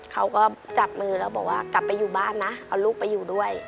เขาก็จับมือแล้วบอกว่ากลับไปอยู่บ้านนะเอาลูกไปอยู่ด้วย